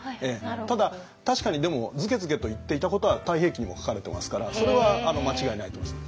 ただ確かにでもズケズケと言っていたことは「太平記」にも書かれてますからそれは間違いないと思います。